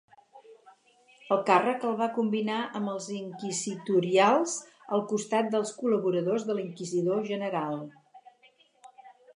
El càrrec el va combinar amb els inquisitorials, al costat dels col·laboradors de l'inquisidor general.